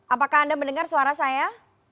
apakah anda mendengar suara saya